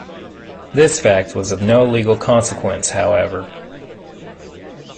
This fact was of no legal consequence, however.